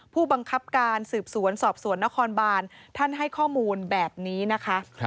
ผู้บังคับการสืบสวนสอบสวนนครบานท่านให้ข้อมูลแบบนี้นะคะ